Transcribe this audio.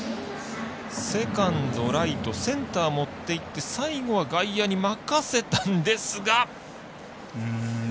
セカンド、ライトセンター持っていって最後は外野に任せたんですが。